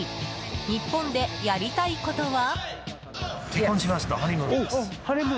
日本でやりたいことは？